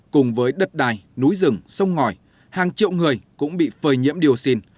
cùng với đất đai núi rừng sông ngòi hàng triệu người cũng bị phơi nhiễm dioxin